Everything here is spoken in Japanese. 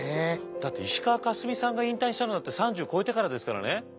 だって石川佳純さんが引退したのだって３０超えてからですからね。